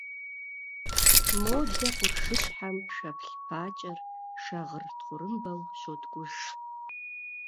Мы готовы к самому тесному сотрудничеству со всеми государствами − участниками Конференции.